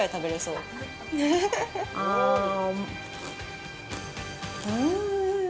うん。